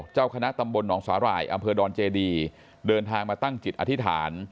เจ้าคณะตำบลหนองสาหร่ายอำเภอดอนเจดีเดินทางมาตั้งจิตอธิษฐาน